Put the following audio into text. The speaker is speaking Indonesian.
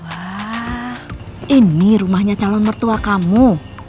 wah ini rumahnya calon mertua kamu